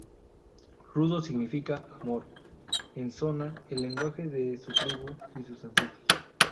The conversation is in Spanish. Rudo significa "amor" en Shona, el lenguaje de su tribu y sus ancestros.